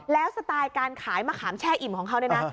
แล้วสไตล์การขายมะขามแช่อิ่มของเขาเนี่ยนะ